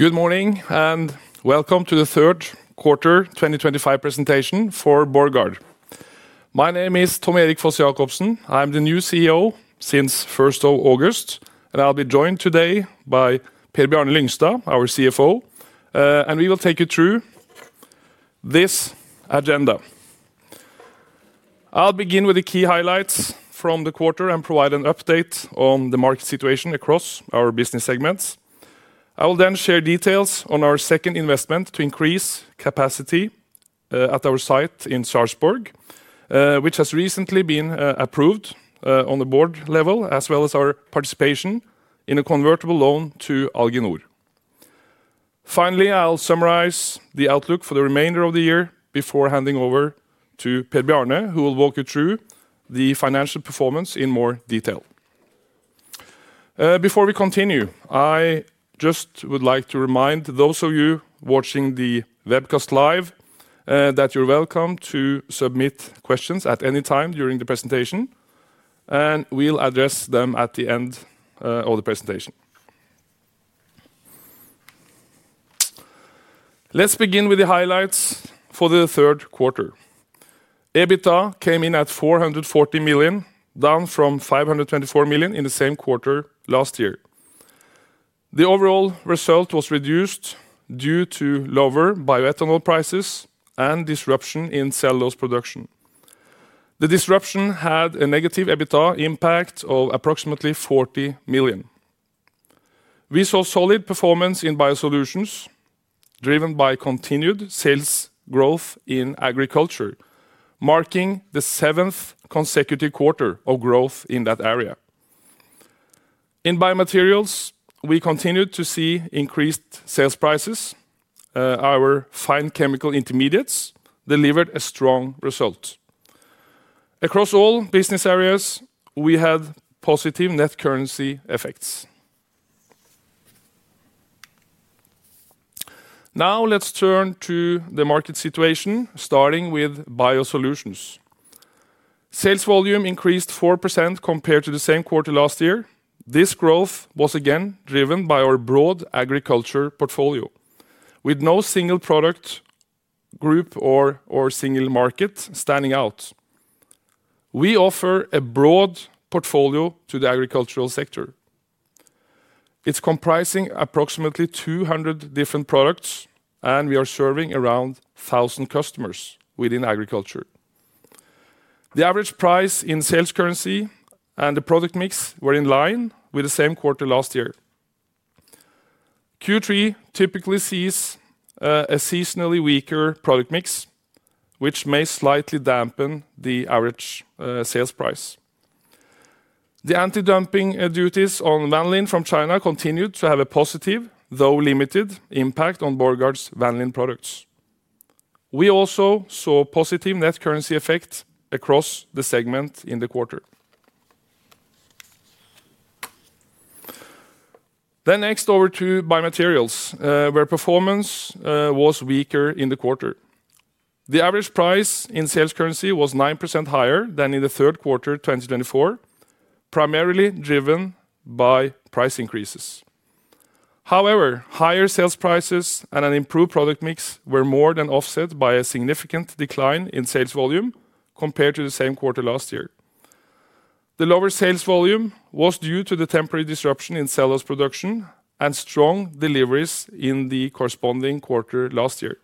Good morning and welcome to the third quarter 2025 presentation for Borregaard. My name is Tom Erik Foss-Jacobsen. I am the new CEO since 1st of August, and I'll be joined today by Per Bjarne Lyngstad, our CFO, and we will take you through this agenda. I'll begin with the key highlights from the quarter and provide an update on the market situation across our business segments. I will then share details on our second investment to increase capacity at our site in Sarpsborg, which has recently been approved on the board level, as well as our participation in a convertible loan to Alginor. Finally, I'll summarize the outlook for the remainder of the year before handing over to Per Bjarne, who will walk you through the financial performance in more detail. Before we continue, I just would like to remind those of you watching the webcast live that you're welcome to submit questions at any time during the presentation, and we'll address them at the end of the presentation. Let's begin with the highlights for the third quarter. EBITDA came in at 440 million, down from 524 million in the same quarter last year. The overall result was reduced due to lower bioethanol prices and disruption in cellulose production. The disruption had a negative EBITDA impact of approximately 40 million. We saw solid performance in biosolutions, driven by continued sales growth in agriculture, marking the seventh consecutive quarter of growth in that area. In biomaterials, we continued to see increased sales prices. Our fine chemical intermediates delivered a strong result. Across all business areas, we had positive net currency effects. Now let's turn to the market situation, starting with biosolutions. Sales volume increased 4% compared to the same quarter last year. This growth was again driven by our broad agriculture portfolio, with no single product group or single market standing out. We offer a broad portfolio to the agricultural sector. It's comprising approximately 200 different products, and we are serving around 1,000 customers within agriculture. The average price in sales currency and the product mix were in line with the same quarter last year. Q3 typically sees a seasonally weaker product mix, which may slightly dampen the average sales price. The anti-dumping duties on vanillin from China continued to have a positive, though limited, impact on Borregaard's vanillin products. We also saw positive net currency effects across the segment in the quarter. Next, over to biomaterials, where performance was weaker in the quarter. The average price in sales currency was 9% higher than in the third quarter 2024, primarily driven by price increases. However, higher sales prices and an improved product mix were more than offset by a significant decline in sales volume compared to the same quarter last year. The lower sales volume was due to the temporary disruption in cellulose production and strong deliveries in the corresponding quarter last year.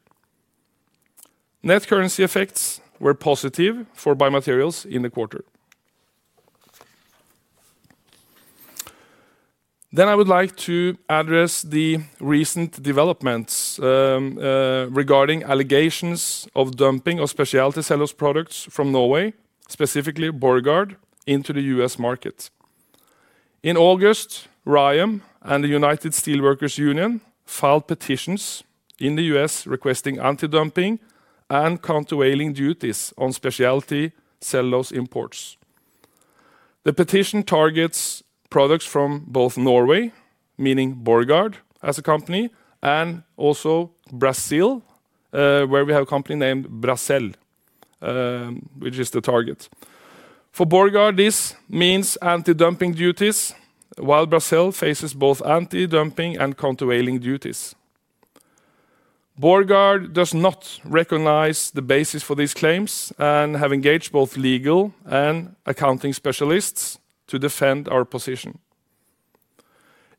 Net currency effects were positive for biomaterials in the quarter. I would like to address the recent developments regarding allegations of dumping of specialty cellulose products from Norway, specifically Borregaard, into the U.S. market. In August, RYAM and the United Steelworkers Union filed petitions in the U.S. requesting anti-dumping and countervailing duties on specialty cellulose imports. The petition targets products from both Norway, meaning Borregaard as a company, and also Brazil, where we have a company named Bracell, which is the target. For Borregaard, this means anti-dumping duties, while Bracell faces both anti-dumping and countervailing duties. Borregaard does not recognize the basis for these claims and has engaged both legal and accounting specialists to defend our position.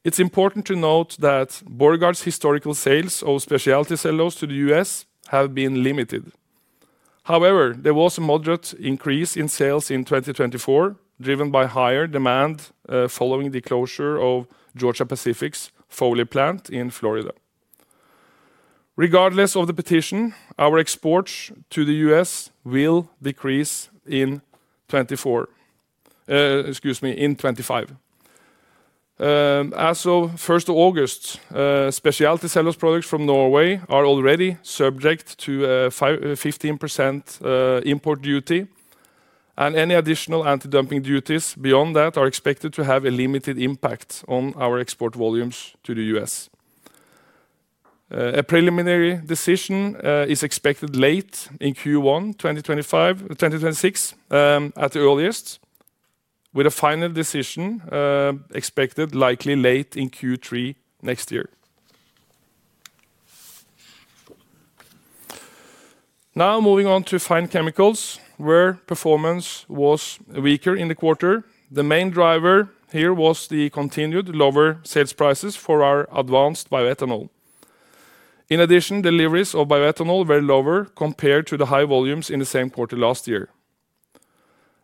It's important to note that Borregaard's historical sales of specialty cellulose to the U.S. have been limited. However, there was a moderate increase in sales in 2024, driven by higher demand following the closure of Georgia Pacific's Foley plant in Florida. Regardless of the petition, our exports to the U.S. will decrease in 2024. Excuse me, in 2025. As of 1st of August, specialty cellulose products from Norway are already subject to a 15% import duty, and any additional anti-dumping duties beyond that are expected to have a limited impact on our export volumes to the U.S. A preliminary decision is expected late in Q1 2026, at the earliest, with a final decision expected likely late in Q3 next year. Now moving on to fine chemicals, where performance was weaker in the quarter. The main driver here was the continued lower sales prices for our advanced bioethanol. In addition, deliveries of bioethanol were lower compared to the high volumes in the same quarter last year.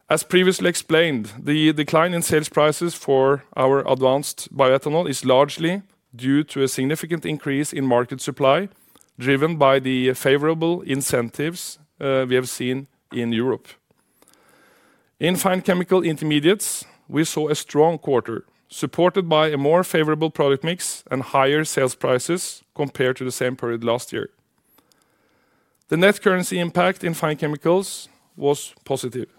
As previously explained, the decline in sales prices for our advanced bioethanol is largely due to a significant increase in market supply, driven by the favorable incentives we have seen in Europe. In fine chemical intermediates, we saw a strong quarter supported by a more favorable product mix and higher sales prices compared to the same period last year. The net currency impact in fine chemicals was positive.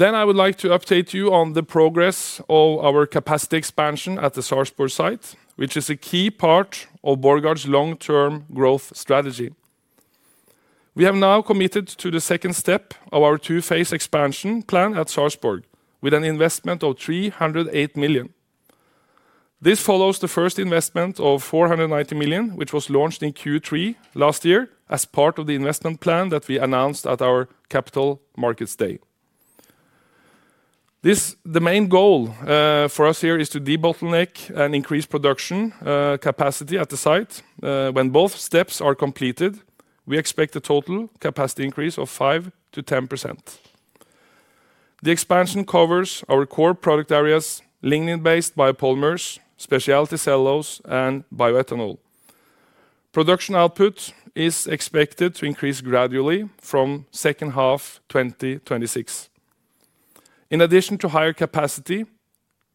I would like to update you on the progress of our capacity expansion at the Sarpsborg site, which is a key part of Borregaard's long-term growth strategy. We have now committed to the second step of our two-phase expansion plan at Sarpsborg, with an investment of 308 million. This follows the first investment of 490 million, which was launched in Q3 last year as part of the investment plan that we announced at our Capital Markets Day. The main goal for us here is to debottleneck and increase production capacity at the site. When both steps are completed, we expect a total capacity increase of 5% to 10%. The expansion covers our core product areas: lignin-based biopolymers, specialty cellulose, and bioethanol. Production output is expected to increase gradually from the second half of 2026. In addition to higher capacity,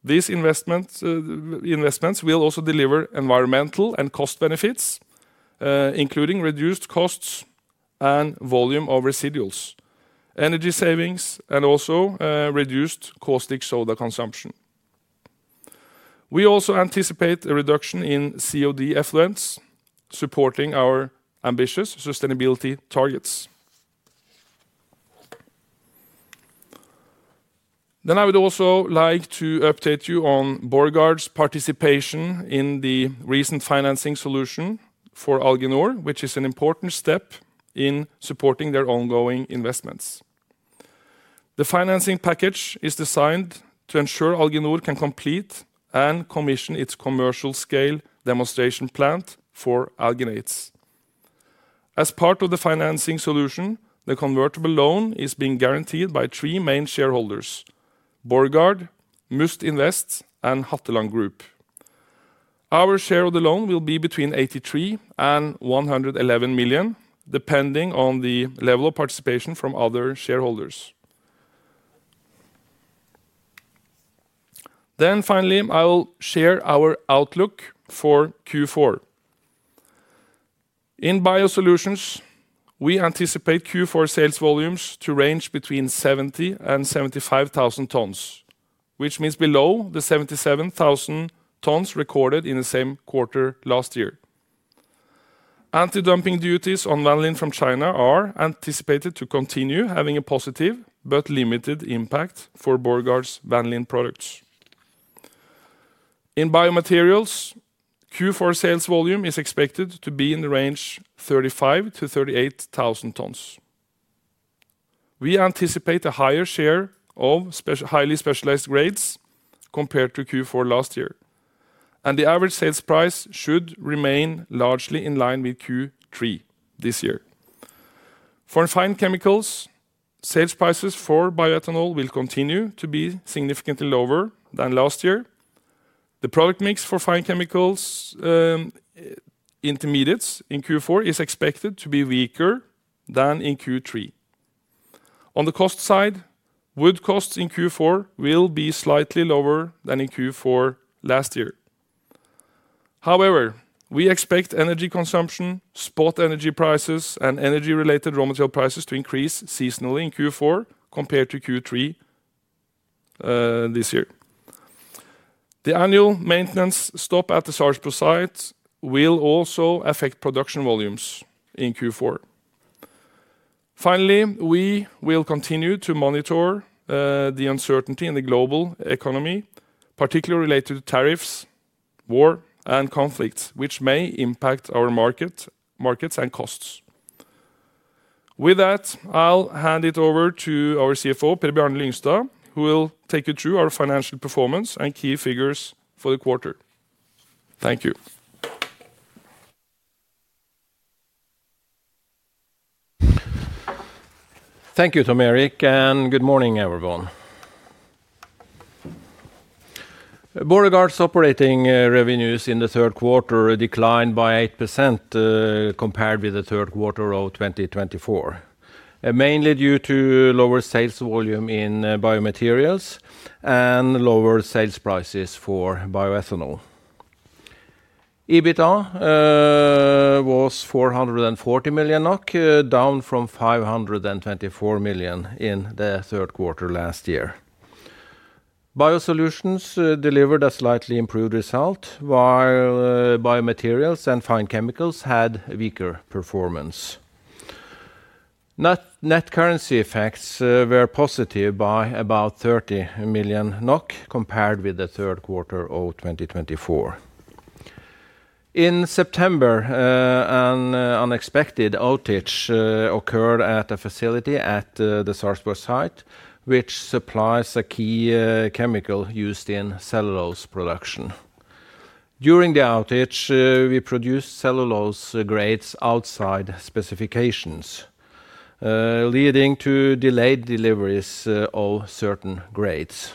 these investments will also deliver environmental and cost benefits, including reduced costs and volume of residuals, energy savings, and also reduced caustic soda consumption. We also anticipate a reduction in COD effluence, supporting our ambitious sustainability targets. I would also like to update you on Borregaard's participation in the recent financing solution for Alginor, which is an important step in supporting their ongoing investments. The financing package is designed to ensure Alginor can complete and commission its commercial scale demonstration plant for alginates. As part of the financing solution, the convertible loan is being guaranteed by three main shareholders: Borregaard, Must Invest, and Hatteland Group. Our share of the loan will be between 83 million and 111 million, depending on the level of participation from other shareholders. Finally, I'll share our outlook for Q4. In biosolutions, we anticipate Q4 sales volumes to range between 70,000 and 75,000 tons, which means below the 77,000 tons recorded in the same quarter last year. Anti-dumping duties on vanillin from China are anticipated to continue having a positive but limited impact for Borregaard's vanillin products. In biomaterials, Q4 sales volume is expected to be in the range of 35,000 tons-38,000 tons. We anticipate a higher share of highly specialized grades compared to Q4 last year, and the average sales price should remain largely in line with Q3 this year. For fine chemicals, sales prices for bioethanol will continue to be significantly lower than last year. The product mix for fine chemical intermediates in Q4 is expected to be weaker than in Q3. On the cost side, wood costs in Q4 will be slightly lower than in Q4 last year. However, we expect energy consumption, spot energy prices, and energy-related raw material prices to increase seasonally in Q4 compared to Q3 this year. The annual maintenance stop at the Sarpsborg site will also affect production volumes in Q4. Finally, we will continue to monitor the uncertainty in the global economy, particularly related to tariffs, war, and conflicts, which may impact our markets and costs. With that, I'll hand it over to our CFO, Per Bjarne Lyngstad, who will take you through our financial performance and key figures for the quarter. Thank you. Thank you, Tom Erik, and good morning, everyone. Borregaard's operating revenues in the third quarter declined by 8% compared with the third quarter of 2024, mainly due to lower sales volume in biomaterials and lower sales prices for bioethanol. EBITDA was 440 million NOK, down from 524 million in the third quarter last year. Biosolutions delivered a slightly improved result, while biomaterials and fine chemicals had weaker performance. Net currency effects were positive by about 30 million NOK compared with the third quarter of 2024. In September, an unexpected outage occurred at a facility at the Sarpsborg site, which supplies a key chemical used in cellulose production. During the outage, we produced cellulose grades outside specifications, leading to delayed deliveries of certain grades.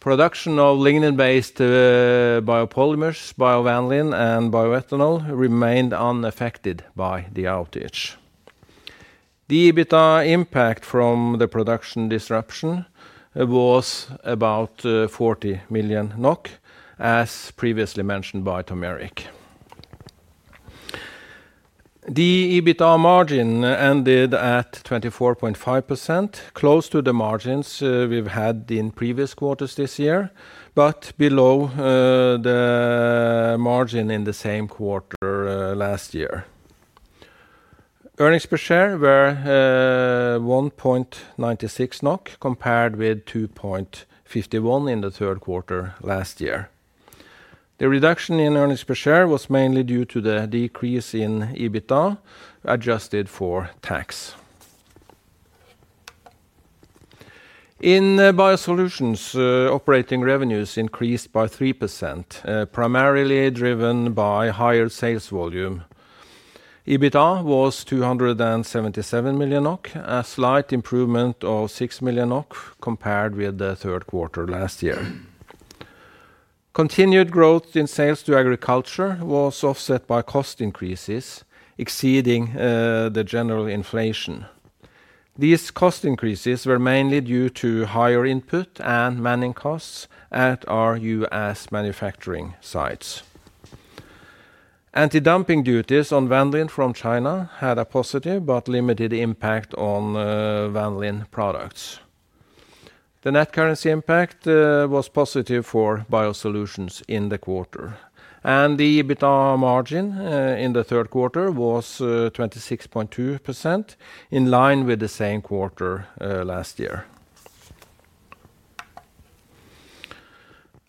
Production of lignin-based biopolymers, biovanillin, and bioethanol remained unaffected by the outage. The EBITDA impact from the production disruption was about 40 million NOK, as previously mentioned by Tom Erik. The EBITDA margin ended at 24.5%, close to the margins we've had in previous quarters this year, but below the margin in the same quarter last year. Earnings per share were 1.96 NOK compared with 2.51 in the third quarter last year. The reduction in earnings per share was mainly due to the decrease in EBITDA adjusted for tax. In biosolutions, operating revenues increased by 3%, primarily driven by higher sales volume. EBITDA was 277 million NOK, a slight improvement of 6 million NOK compared with the third quarter last year. Continued growth in sales to agriculture was offset by cost increases exceeding the general inflation. These cost increases were mainly due to higher input and manning costs at our U.S. manufacturing sites. Anti-dumping duties on vanillin from China had a positive but limited impact on vanillin products. The net currency impact was positive for biosolutions in the quarter, and the EBITDA margin in the third quarter was 26.2%, in line with the same quarter last year.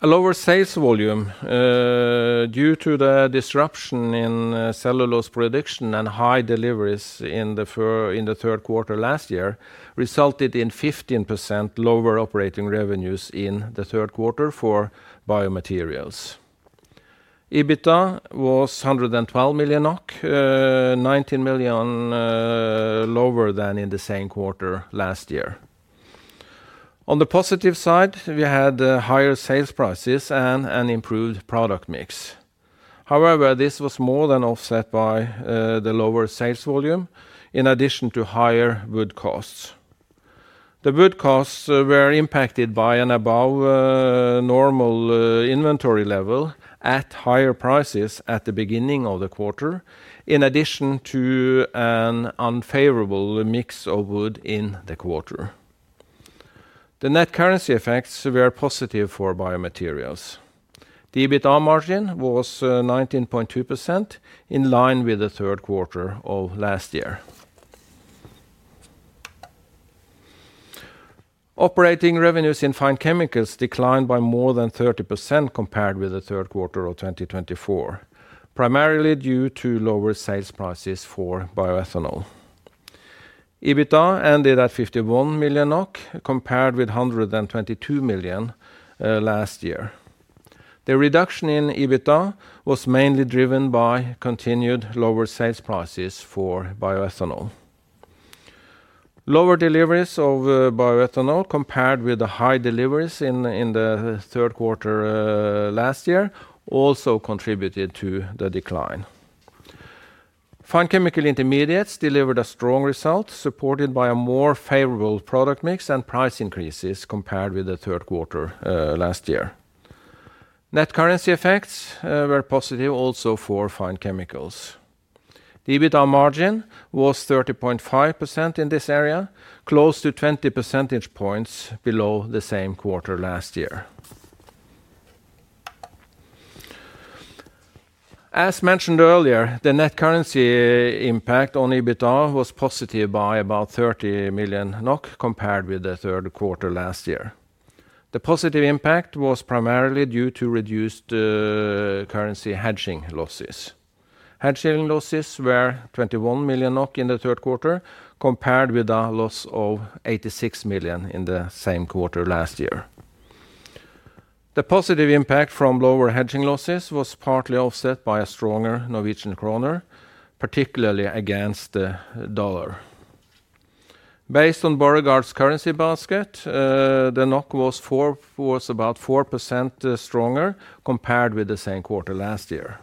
A lower sales volume due to the disruption in cellulose production and high deliveries in the third quarter last year resulted in 15% lower operating revenues in the third quarter for biomaterials. EBITDA was 112 million NOK, 19 million lower than in the same quarter last year. On the positive side, we had higher sales prices and an improved product mix. However, this was more than offset by the lower sales volume, in addition to higher wood costs. The wood costs were impacted by an above-normal inventory level at higher prices at the beginning of the quarter, in addition to an unfavorable mix of wood in the quarter. The net currency effects were positive for biomaterials. The EBITDA margin was 19.2%, in line with the third quarter of last year. Operating revenues in fine chemicals declined by more than 30% compared with the third quarter of 2024, primarily due to lower sales prices for bioethanol. EBITDA ended at 51 million NOK compared with 122 million last year. The reduction in EBITDA was mainly driven by continued lower sales prices for bioethanol. Lower deliveries of bioethanol compared with the high deliveries in the third quarter last year also contributed to the decline. Fine chemical intermediates delivered a strong result, supported by a more favorable product mix and price increases compared with the third quarter last year. Net currency effects were positive also for fine chemicals. The EBITDA margin was 30.5% in this area, close to 20 percentage points below the same quarter last year. As mentioned earlier, the net currency impact on EBITDA was positive by about 30 million NOK compared with the third quarter last year. The positive impact was primarily due to reduced currency hedging losses. Hedging losses were 21 million NOK in the third quarter compared with a loss of 86 million in the same quarter last year. The positive impact from lower hedging losses was partly offset by a stronger Norwegian krone, particularly against the dollar. Based on Borregaard's currency basket, the NOK was about 4% stronger compared with the same quarter last year.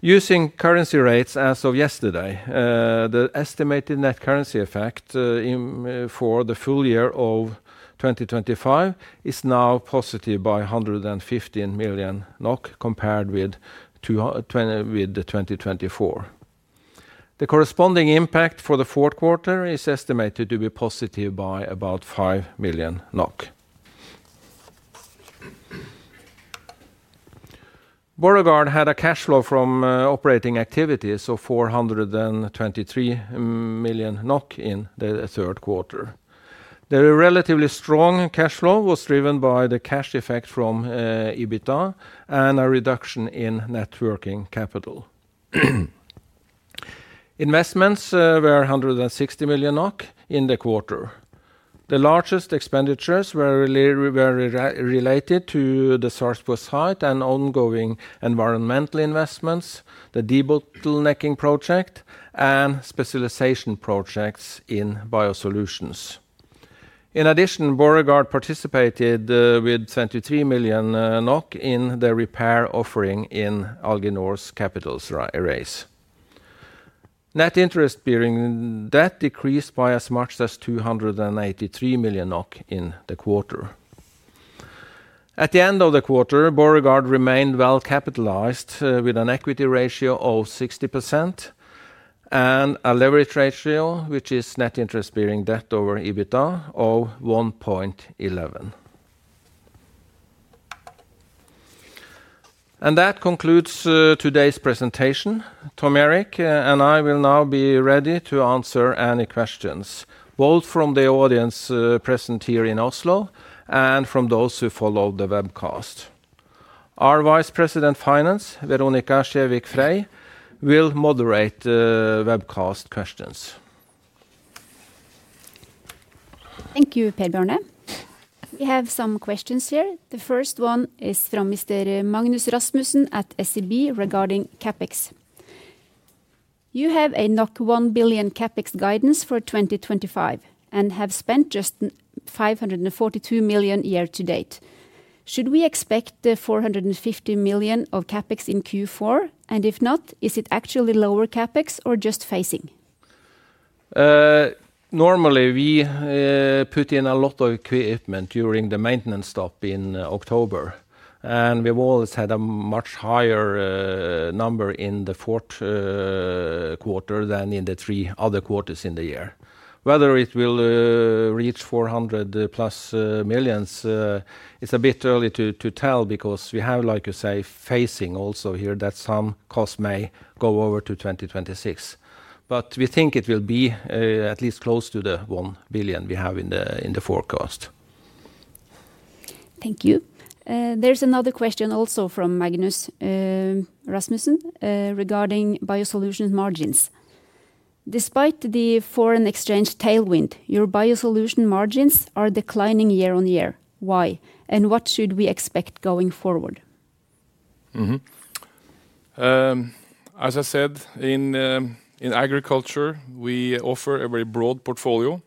Using currency rates as of yesterday, the estimated net currency effect for the full year of 2025 is now positive by 115 million NOK compared with 2024. The corresponding impact for the fourth quarter is estimated to be positive by about 5 million NOK. Borregaard had a cash flow from operating activities of 423 million NOK in the third quarter. The relatively strong cash flow was driven by the cash effect from EBITDA and a reduction in net working capital. Investments were 160 million NOK in the quarter. The largest expenditures were related to the Sarpsborg site and ongoing environmental investments, the debottlenecking project, and specialization projects in biosolutions. In addition, Borregaard participated with 23 million NOK in the repair offering in Alginor's capital raise. Net interest-bearing debt decreased by as much as 283 million NOK in the quarter. At the end of the quarter, Borregaard remained well capitalized with an equity ratio of 60% and a leverage ratio, which is net interest-bearing debt over EBITDA, of 1.11. That concludes today's presentation. Tom Erik and I will now be ready to answer any questions, both from the audience present here in Oslo and from those who followed the webcast. Our Vice President of Finance, Veronica Skevik Frey, will moderate the webcast questions. Thank you, Per Bjarne. We have some questions here. The first one is from Mr. Magnus Rasmussen at SIB regarding CapEx. You have a 1 billion CapEx guidance for 2025 and have spent just 542 million year to date. Should we expect 450 million of CapEx in Q4? If not, is it actually lower CapEx or just phasing? Normally, we put in a lot of equipment during the maintenance stop in October, and we've always had a much higher number in the fourth quarter than in the three other quarters in the year. Whether it will reach 400+ million, it's a bit early to tell because we have, like you say, phasing also here that some costs may go over to 2026. We think it will be at least close to the 1 billion we have in the forecast. Thank you. There's another question also from Magnus Rasmussen regarding biosolutions margins. Despite the foreign exchange tailwind, your biosolutions margins are declining year on year. Why? What should we expect going forward? As I said, in agriculture, we offer a very broad portfolio.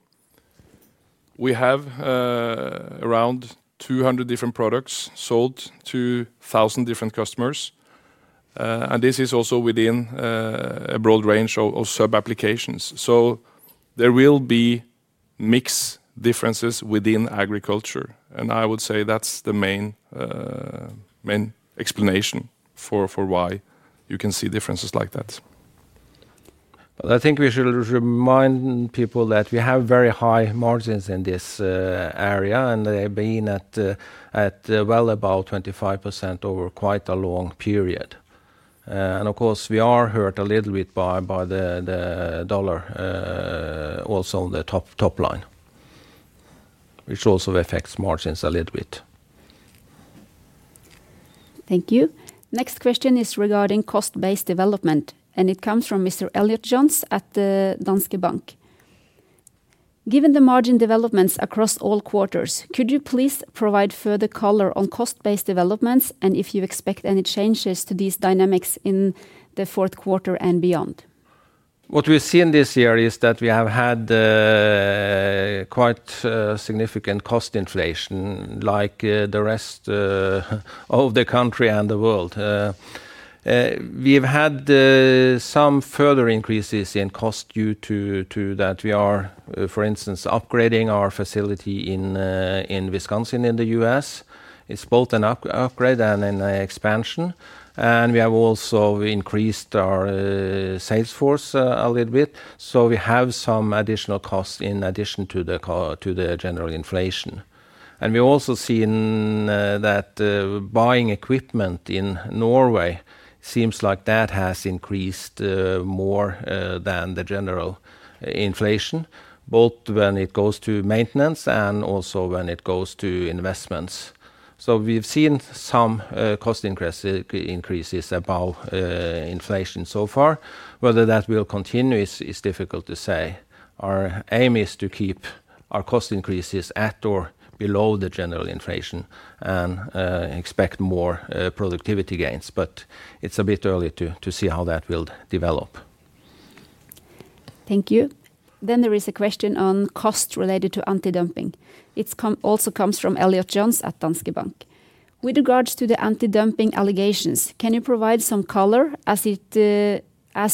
We have around 200 different products sold to 1,000 different customers, and this is also within a broad range of sub-applications. There will be mixed differences within agriculture, and I would say that's the main explanation for why you can see differences like that. I think we should remind people that we have very high margins in this area, and they have been at well above 25% over quite a long period. Of course, we are hurt a little bit by the dollar also on the top line, which also affects margins a little bit. Thank you. Next question is regarding cost-based development, and it comes from Mr. Elliott Jones at Danske Bank. Given the margin developments across all quarters, could you please provide further color on cost-based developments and if you expect any changes to these dynamics in the fourth quarter and beyond? What we've seen this year is that we have had quite significant cost inflation, like the rest of the country and the world. We've had some further increases in cost due to that. For instance, we are upgrading our facility in Wisconsin in the U.S. It's both an upgrade and an expansion. We have also increased our sales force a little bit, so we have some additional costs in addition to the general inflation. We've also seen that buying equipment in Norway seems like that has increased more than the general inflation, both when it goes to maintenance and also when it goes to investments. We've seen some cost increases above inflation so far. Whether that will continue is difficult to say. Our aim is to keep our cost increases at or below the general inflation and expect more productivity gains, but it's a bit early to see how that will develop. Thank you. There is a question on costs related to anti-dumping. It also comes from Elliott Jones at Danske Bank. With regards to the anti-dumping allegations, can you provide some color as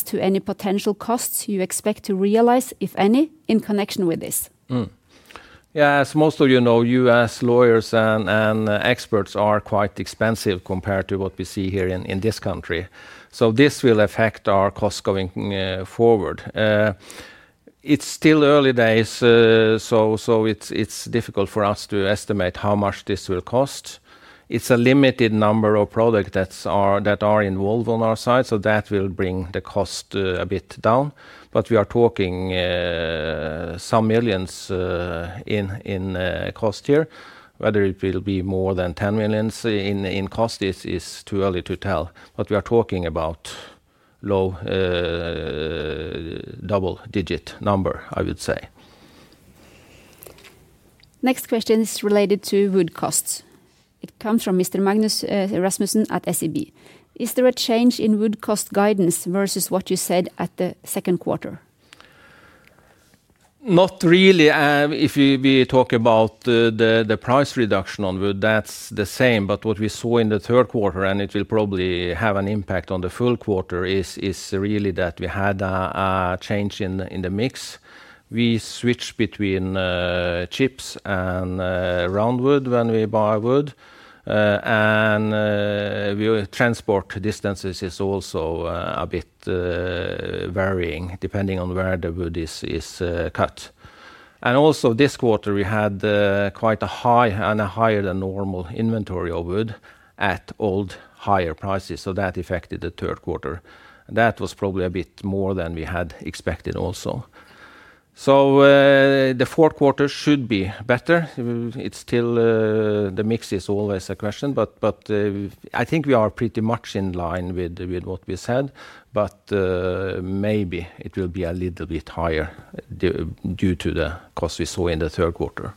to any potential costs you expect to realize, if any, in connection with this? Yeah, as most of you know, U.S. lawyers and experts are quite expensive compared to what we see here in this country. This will affect our costs going forward. It's still early days, so it's difficult for us to estimate how much this will cost. It's a limited number of products that are involved on our side, which will bring the cost a bit down. We are talking some millions in cost here. Whether it will be more than $10 million in cost is too early to tell, but we are talking about a low double-digit number, I would say. Next question is related to wood costs. It comes from Mr. Magnus Rasmussen at SIB. Is there a change in wood cost guidance versus what you said at the second quarter? Not really. If we talk about the price reduction on wood, that's the same. What we saw in the third quarter, and it will probably have an impact on the full quarter, is really that we had a change in the mix. We switched between chips and round wood when we buy wood, and transport distances are also a bit varying depending on where the wood is cut. This quarter, we had quite a high and a higher than normal inventory of wood at old higher prices, so that affected the third quarter. That was probably a bit more than we had expected also. The fourth quarter should be better. The mix is always a question, but I think we are pretty much in line with what we said, but maybe it will be a little bit higher due to the costs we saw in the third quarter.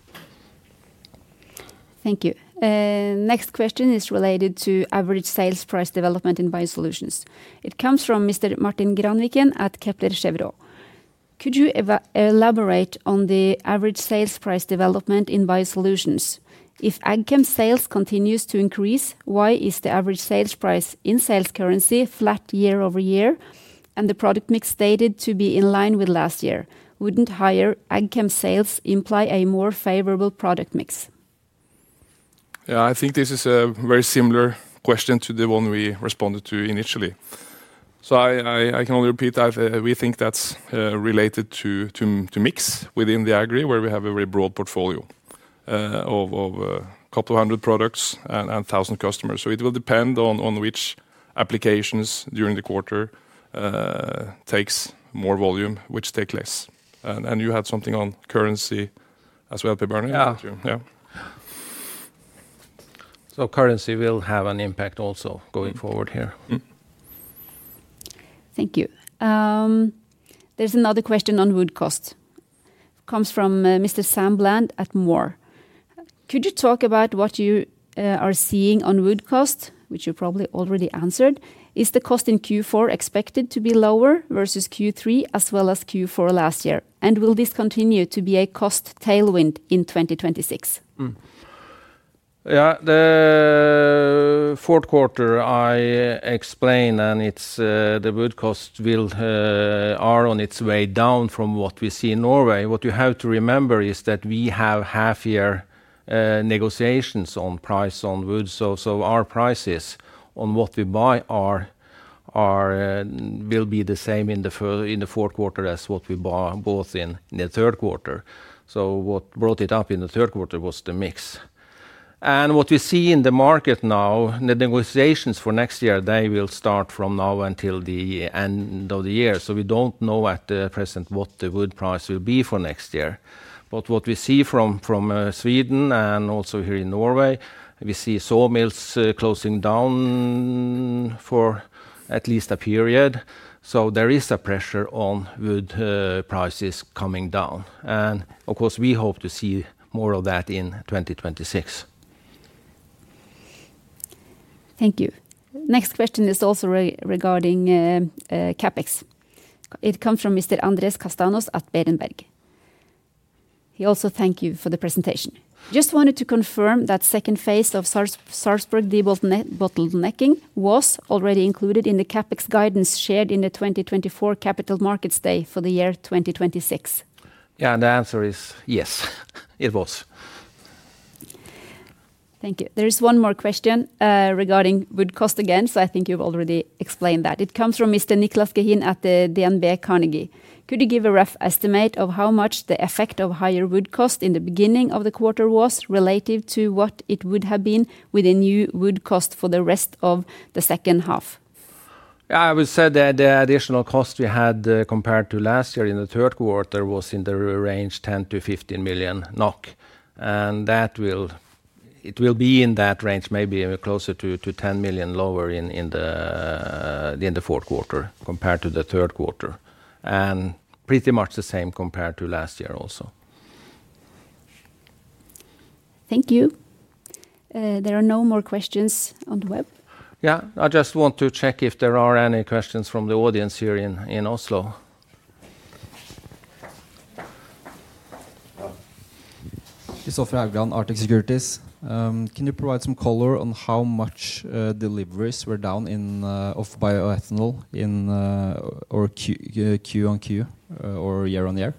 Thank you. Next question is related to average sales price development in biosolutions. It comes from Mr. Martin Granviken at Kepler Cheuvreux. Could you elaborate on the average sales price development in BioSolutions? If AgChem sales continue to increase, why is the average sales price in sales currency flat year over year and the product mix stated to be in line with last year? Wouldn't higher AgChem sales imply a more favorable product mix? I think this is a very similar question to the one we responded to initially. I can only repeat that we think that's related to mix within the aggregate where we have a very broad portfolio of a couple of hundred products and 1,000 customers. It will depend on which applications during the quarter take more volume, which take less. You had something on currency as well, Per Bjarne? Yeah, currency will have an impact also going forward here. Thank you. There's another question on wood costs. It comes from Mr. Sam Bland at Moore. Could you talk about what you are seeing on wood costs, which you probably already answered? Is the cost in Q4 expected to be lower versus Q3 as well as Q4 last year? Will this continue to be a cost tailwind in 2026? Yeah, the fourth quarter I explained, and the wood costs are on its way down from what we see in Norway. What you have to remember is that we have half-year negotiations on price on wood, so our prices on what we buy will be the same in the fourth quarter as what we bought in the third quarter. What brought it up in the third quarter was the mix. What we see in the market now, the negotiations for next year, they will start from now until the end of the year. We don't know at the present what the wood price will be for next year. What we see from Sweden and also here in Norway, we see sawmills closing down for at least a period. There is a pressure on wood prices coming down. Of course, we hope to see more of that in 2026. Thank you. Next question is also regarding CapEx. It comes from Mr. Andres Castanos at Berenberg. He also thanked you for the presentation. Just wanted to confirm that second phase of Sarpsborg debottlenecking was already included in the CapEx guidance shared in the 2024 Capital Markets Day for the year 2026. Yeah, the answer is yes, it was. Thank you. There is one more question regarding wood costs again, so I think you've already explained that. It comes from [Mr. Nicklas Wetterling] at DNB Carnegie. Could you give a rough estimate of how much the effect of higher wood costs in the beginning of the quarter was relative to what it would have been with a new wood cost for the rest of the second half? I would say that the additional cost we had compared to last year in the third quarter was in the range of 10-15 million NOK. It will be in that range, maybe closer to 10 million lower in the fourth quarter compared to the third quarter. It is pretty much the same compared to last year also. Thank you. There are no more questions on the web. Yeah, I just want to check if there are any questions from the audience here in Oslo. Kristoffer Haugland, Arctic Securities. Can you provide some color on how much deliveries were down in bioethanol in Q1 or Q2 or year on year?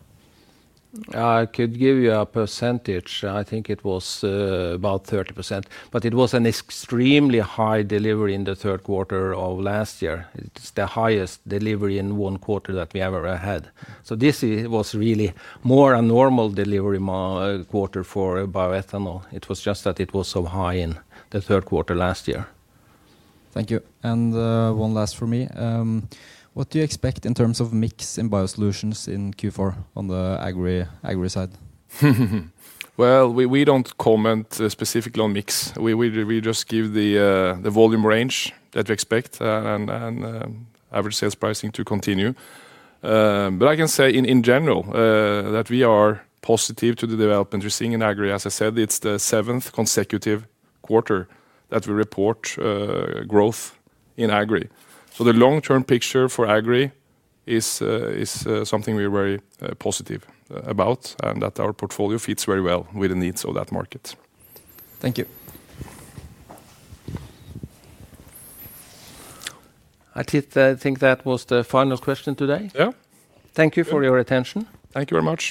I could give you a percentage. I think it was about 30%. It was an extremely high delivery in the third quarter of last year. It's the highest delivery in one quarter that we ever had. This was really more a normal delivery quarter for bioethanol. It was just that it was so high in the third quarter last year. Thank you. One last for me. What do you expect in terms of mix in biosolutions in Q4 on the aggregate side? We don't comment specifically on mix. We just give the volume range that we expect and average sales pricing to continue. I can say in general that we are positive to the development we're seeing in aggregate. As I said, it's the seventh consecutive quarter that we report growth in aggregate. The long-term picture for aggregate is something we're very positive about and that our portfolio fits very well with the needs of that market. Thank you. I think that was the final question today. Yeah. Thank you for your attention. Thank you very much.